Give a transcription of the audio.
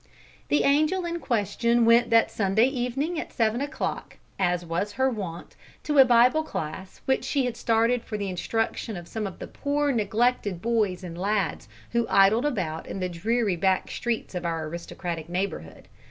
The angel in question went that Sunday evening at seven o'clock, as was her wont, to a Bible class which she had started for the instruction of some of the poor neglected boys and lads who idled about in the dreary back streets of our aristocratic neighbourhood.